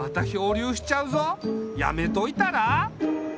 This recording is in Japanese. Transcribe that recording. やめといたら？